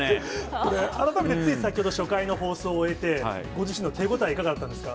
これ、改めてつい先ほど、初回の放送を終えて、ご自身の手応えいかがだったんですか。